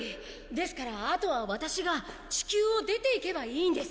ですからあとはワタシが地球を出ていけばいいんです。